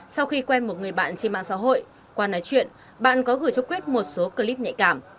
sau khi quen một người bạn trên mạng xã hội qua nói chuyện bạn có gửi cho quyết một số clip nhạy cảm